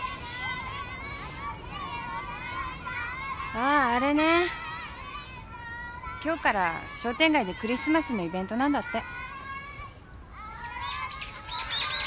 あああれね今日から商店街でクリスマスのイベントなんだって。